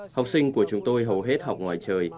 học sinh của chúng tôi hầu hết học ngoài trời